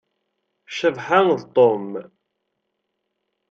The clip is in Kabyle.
Cabḥa d Tom.